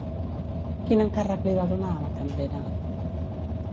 Quin encàrrec li va donar a la cambrera?